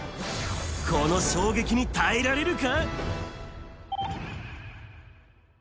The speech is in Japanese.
この衝撃に耐えられるか？